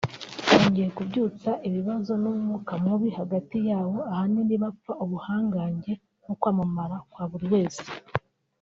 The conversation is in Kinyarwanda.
bongeye kubyutsa ibibazo n’umwuka mubi hagati yabo ahanini bapfa ubuhangange no kwamamara kwa buri wese